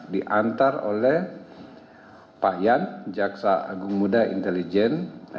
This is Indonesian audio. diantar oleh pak yan jaksa agung muda intelijen